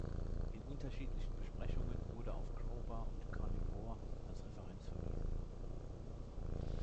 In unterschiedlichen Besprechungen wurde auf Crowbar und Carnivore als Referenz verwiesen.